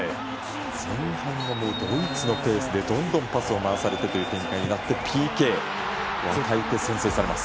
前半はドイツのペースでどんどんパスを回されてという展開になって、ＰＫ先制されます。